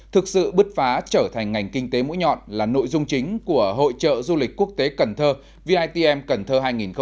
thực sự bứt phá trở thành ngành kinh tế mũi nhọn là nội dung chính của hội trợ du lịch quốc tế cần thơ vitm cần thơ hai nghìn một mươi chín